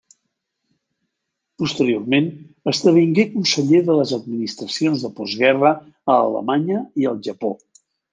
Posteriorment, esdevingué conseller de les administracions de postguerra a Alemanya i al Japó.